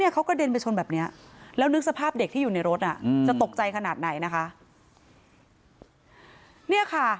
เขากระเด็นไปชนแบบนี้แล้วนึกสภาพเด็กที่อยู่ในรถจะตกใจขนาดไหนนะคะ